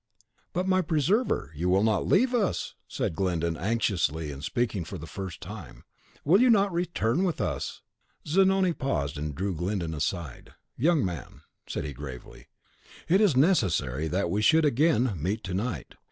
"But, my preserver, you will not leave us?" said Glyndon, anxiously, and speaking for the first time. "Will you not return with us?" Zanoni paused, and drew Glyndon aside. "Young man," said he, gravely, "it is necessary that we should again meet to night.